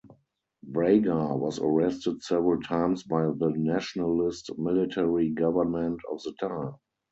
Braga was arrested several times by the Nationalist military government of the time.